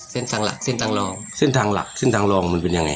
เส้นทางหลักเส้นทางรองเส้นทางหลักเส้นทางรองมันเป็นยังไง